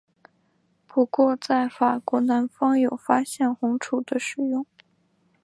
不过在法国南方有发现红赭的使用。